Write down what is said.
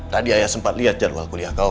tadi ayah sempat lihat jadwal kuliah